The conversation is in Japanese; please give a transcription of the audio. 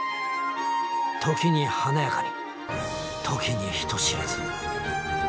時に華やかに時に人知れず。